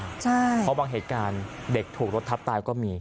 เพราะบางเหตุการณ์เด็กถูกรถทับตายก็มี